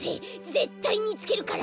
ぜったいみつけるから。